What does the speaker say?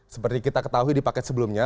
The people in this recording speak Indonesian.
seperti kita ketahui di paket sebelumnya